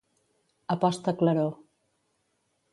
A posta claror.